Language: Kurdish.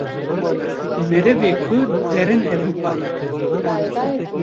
Merivê ku derin Ewrupayê.